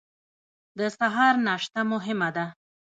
د سهار ناشته مهمه ده